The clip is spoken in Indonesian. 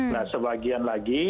nah sebagian lagi